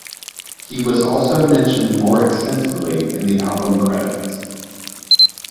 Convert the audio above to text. He was also mentioned more extensively in the album credits.